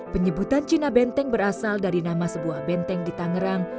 penyebutan cina benteng berasal dari nama sebuah benteng di tangerang